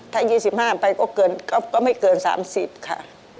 ถ้ายี่สิบห้าไปก็ไม่เกินสามสิบค่ะ